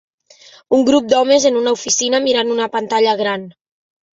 Un grup d'homes en una oficina mirant una pantalla gran.